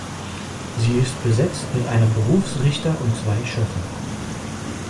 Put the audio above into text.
Sie ist besetzt mit einem Berufsrichter und zwei Schöffen.